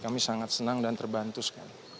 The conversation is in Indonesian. kami sangat senang dan terbantu sekali